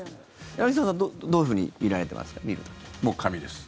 柳澤さんどういうふうに見られてますか？